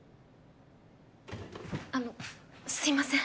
あのすいません。